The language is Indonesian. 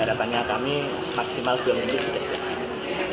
harapannya kami maksimal dua minggu sudah jadi